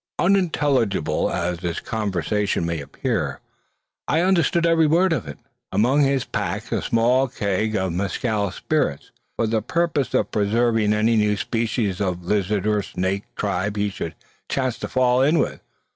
Unintelligible as this conversation may appear, I understood every word of it. The naturalist had brought among his packs a small keg of aguardiente, mezcal spirits, for the purpose of preserving any new species of the lizard or snake tribe he should chance to fall in with.